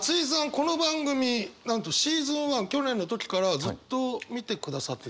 この番組なんとシーズン１去年の時からずっと見てくださってた。